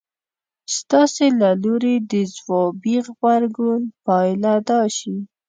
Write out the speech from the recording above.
ستاسې له لوري د ځوابي غبرګون پايله دا شي.